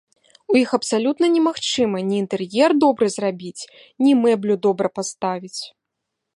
У іх абсалютна немагчыма ні інтэр'ер добры зрабіць, ні мэблю добра паставіць.